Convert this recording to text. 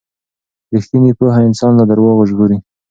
ریښتینې پوهه انسان له درواغو ژغوري.